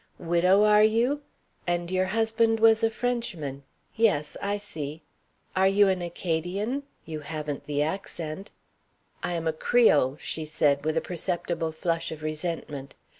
"Widow, are you? And your husband was a Frenchman: yes, I see. Are you an Acadian? You haven't the accent." "I am a Creole," she said, with a perceptible flush of resentment.